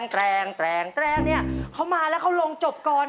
แรงแรงเนี่ยเขามาแล้วเขาลงจบก่อน